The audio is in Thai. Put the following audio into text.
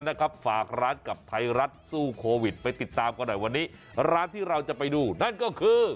นะครับฝากร้านกับไทยรัฐสู้โควิดไปติดตามกันหน่อยวันนี้ร้านที่เราจะไปดูนั่นก็คือ